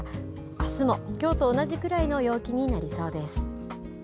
あすもきょうと同じくらいの陽気になりそうです。